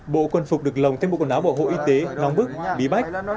bộ quân phục được lồng thêm bộ quần áo bộ hộ y tế nong bức bí bách